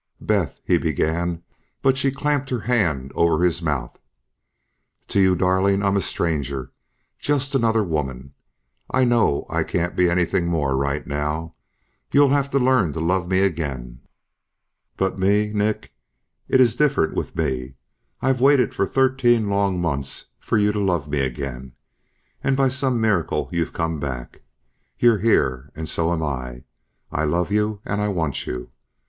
"Beth," he began but she clamped her hand over his mouth. "To you, darling, I'm a stranger, just another woman. I know I can't be anything more right now. You'll have to learn to love me again. "But me? Nick, it's different with me. I've waited for thirteen long months for you to love me again, and by some miracle you've come back. You're here and so am I. I love you and I want you.